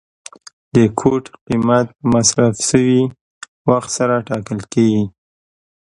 د کوټ قیمت په مصرف شوي وخت سره ټاکل کیږي.